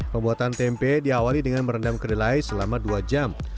pembuatan tempe diawali dengan merendam kedelai selama dua jam